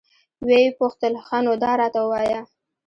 ويې پوښتل ښه نو دا راته ووايه.